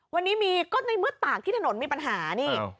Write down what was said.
วันนี้มีก็ในเมื่อตากที่ถนนมีปัญหานี่